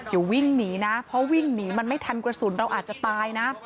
อย่าวิ่งหนีนะเพราะวิ่งหนีมันไม่ทันกระสุนเราอาจจะตายนะ